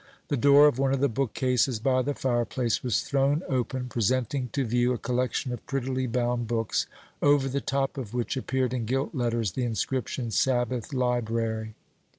The door of one of the bookcases by the fireplace was thrown open, presenting to view a collection of prettily bound books, over the top of which appeared in gilt letters the inscription, "Sabbath Library."